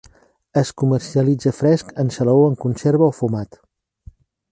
Es comercialitza fresc, en salaó, en conserva o fumat.